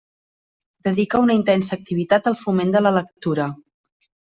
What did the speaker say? Dedica una intensa activitat al foment de la lectura.